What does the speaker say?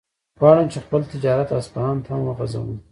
غواړم چې خپل تجارت اصفهان ته هم وغځوم.